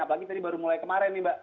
apalagi tadi baru mulai kemarin nih mbak